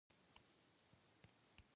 فلم د آینده انځور رسموي